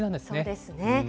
そうですね。